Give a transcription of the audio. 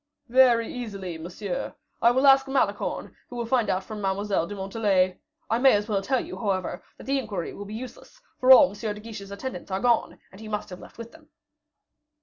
"Very easily, monsieur. I will ask Malicorne, who will find out from Mlle. de Montalais. I may as well tell you, however, that the inquiry will be useless; for all M. de Guiche's attendants are gone, and he must have left with them."